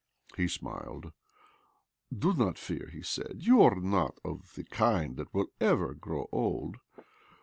He smiled. " Do not fear," he said. " You are not of the kind that will ever grow old.